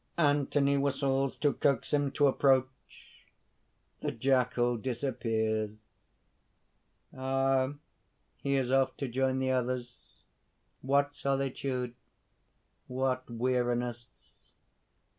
(Anthony whistles to coax him to approach. The jackal disappears.) "Ah! he is off to join the others. What solitude! what weariness!"